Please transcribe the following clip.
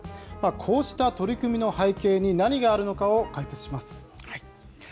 こうした取り組みの背景に何があるのかを解説します。